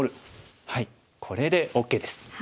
これでＯＫです。